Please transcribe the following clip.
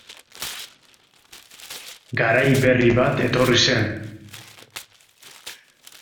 Garai berri bat etorri zen...